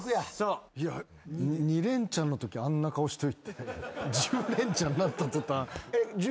２レンチャンのときあんな顔しといて１０レンチャンなった途端。